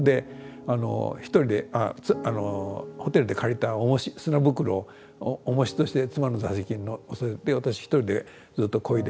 １人でホテルで借りたおもし砂袋をおもしとして妻の座席にのせて私１人でずっとこいで。